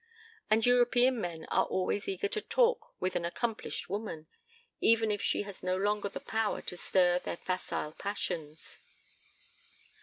And European men are always eager to talk with an accomplished woman, even if she has no longer the power to stir their facile passions.